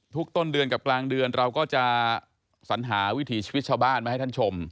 ต้นเดือนกับกลางเดือนเราก็จะสัญหาวิถีชีวิตชาวบ้านมาให้ท่านชม